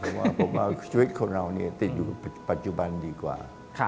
ผมว่าชีวิตคนเรานี่ติดอยู่ปัจจุบันดีกว่า